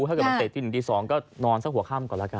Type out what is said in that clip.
ถ้าเตะที่๑๒ก็นอนซะหัวข้ามก่อนละกัน